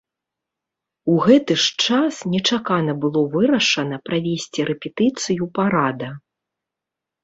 У гэты ж час нечакана было вырашана правесці рэпетыцыю парада.